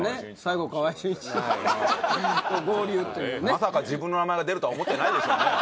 まさか自分の名前が出るとは思ってないでしょうね